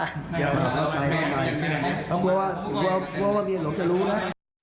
เดี๋ยวเข้าใจเดี๋ยวว่าเมียหลวงจะรู้นะ